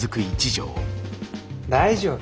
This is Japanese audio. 大丈夫。